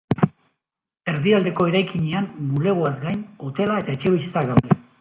Erdialdeko eraikinean bulegoez gain, hotela eta etxebizitzak daude.